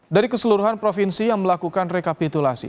dari keseluruhan provinsi yang melakukan rekapitulasi